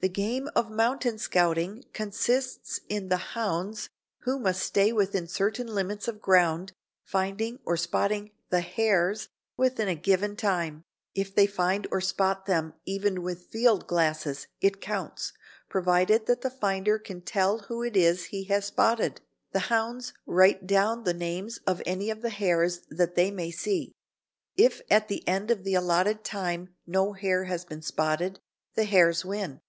The game of mountain scouting consists in the "hounds," who must stay within certain limits of ground, finding or "spotting" the "hares" within a given time. If they find or spot them even with field glasses, it counts, provided that the finder can tell who it is he has spotted. The hounds write down the names of any of the hares that they may see. If at the end of the allotted time no hare has been spotted, the hares win.